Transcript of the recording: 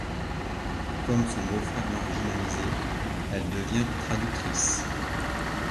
Comme son beau-frère marginalisés, elle devient traductrice.